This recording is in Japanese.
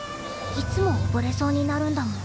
いつもおぼれそうになるんだもん。